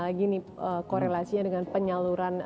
lagi nih korelasinya dengan penyaluran